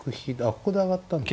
ここで上がったんですよね。